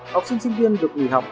học sinh sinh viên được nghỉ học